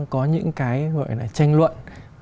có những cái gọi là tranh luận